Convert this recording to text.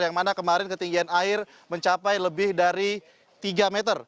yang mana kemarin ketinggian air mencapai lebih dari tiga meter